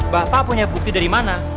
bapak punya bukti dari mana